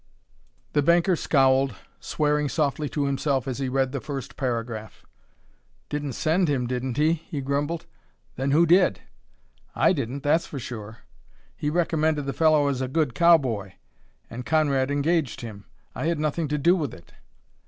The banker scowled, swearing softly to himself as he read the first paragraph. "Didn't send him, didn't he," he grumbled. "Then who did? I didn't, that's sure. He recommended the fellow as a good cowboy, and Conrad engaged him. I had nothing to do with it."